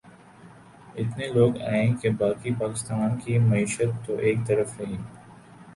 اتنے لوگ آئیں کہ باقی پاکستان کی معیشت تو ایک طرف رہی